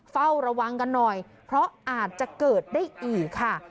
เฝ้าระวังกันหน่อยเพราะอาจจะเกิดได้อีกค่ะ